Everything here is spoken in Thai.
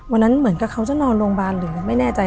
วันนั้นคิดว่าเค้าจะนอนโรงพยาบาลหรือที่ไม่แน่ใจ